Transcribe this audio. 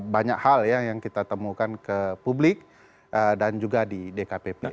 banyak hal yang kita temukan ke publik dan juga di dkpp